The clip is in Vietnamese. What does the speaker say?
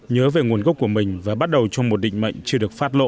nhớ về nguồn gốc của mình và bắt đầu trong một định mệnh chưa được phát lộ